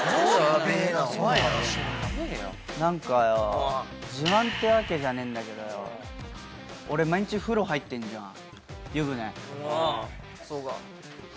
なんかよ、自慢ってわけじゃねえんだけどよ、俺、毎日風呂入ってんじゃん？